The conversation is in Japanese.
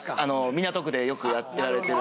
港区でよくやられてる。